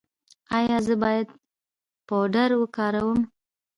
ایا زه باید پاوډر وکاروم؟